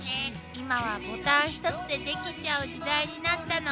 今はボタン一つでできちゃう時代になったの。